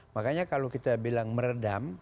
makanya kalau kita bilang meredam